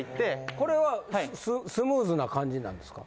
これはスムーズな感じなんですか？